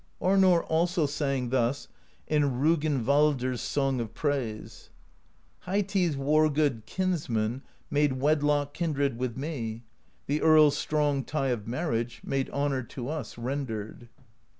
Arnorr also sang thus in Rognvaldr s Song of Praise Heiti's war good kinsman Made wedlock kindred with me: The earl's strong tie of marriage Made honor to us rendered.